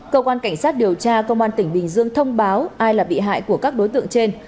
cơ quan cảnh sát điều tra công an tỉnh bình dương thông báo ai là bị hại của các đối tượng trên